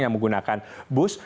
yang menggunakan bus